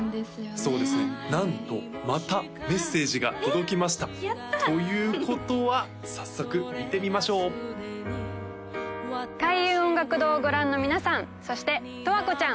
そうですねなんとまたメッセージが届きましたえっやった！ということは早速見てみましょう開運音楽堂をご覧の皆さんそして十和子ちゃん